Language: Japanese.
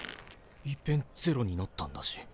いっぺんゼロになったんだし。